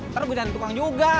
ntar gue jadi tukang juga